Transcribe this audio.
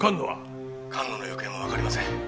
「菅野の行方もわかりません」